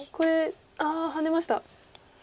ああハネました。